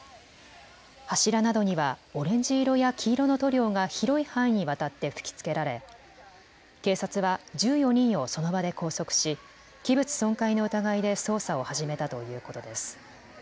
柱などにはオレンジ色や黄色の塗料が広い範囲にわたって吹きつけられ警察は１４人をその場で拘束し器物損壊の疑いで捜査を始めたということです。